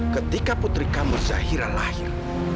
ketika putri camer zahira lahir